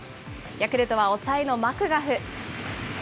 ヤクルトは抑えのマクガフ。